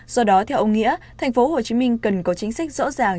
do đó theo ông nghĩa thành phố hồ chí minh cần có chính sách rõ ràng